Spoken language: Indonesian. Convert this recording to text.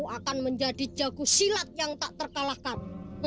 akan menjadi jago silat yang tak terkalahkan